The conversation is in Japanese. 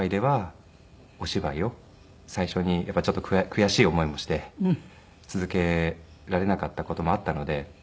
最初にやっぱりちょっと悔しい思いもして続けられなかった事もあったのでじゃあ